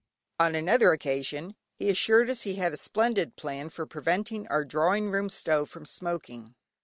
On another occasion, he assured us he had a splendid plan for preventing our drawing room stove from smoking.